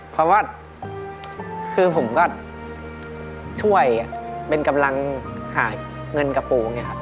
เพราะว่าคือผมก็ช่วยเป็นกำลังหาเงินกับปู่